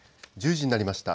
１０時になりました。